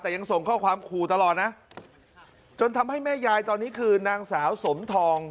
แต่ยังส่งข้อความขู่ตลอดนะจนทำให้แม่ยายตอนนี้คือนางสาวสมทอง